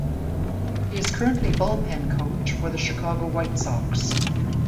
He is currently bullpen coach for the Chicago White Sox.